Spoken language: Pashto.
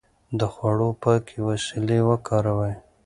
د خوړو پاکې وسيلې وکاروئ.